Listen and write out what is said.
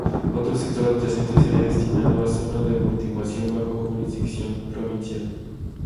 Otro sector adyacente sería destinado a zona de amortiguación bajo jurisdicción provincial.